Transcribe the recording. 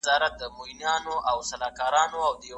که خپله ژبه وساتو، نو کلتوري ریښې له منځه نه ځي.